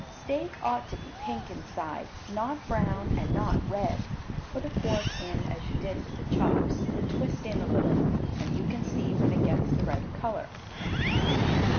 Steak ought to be pink inside; not brown and not red. Put a fork in as you did with the chops, and twist in a little, and you can see when it gets the right color.